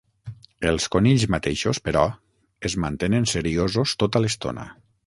Els conills mateixos, però, es mantenen seriosos tota l'estona.